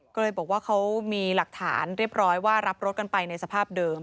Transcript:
ก็เลยบอกว่าเขามีหลักฐานเรียบร้อยว่ารับรถกันไปในสภาพเดิม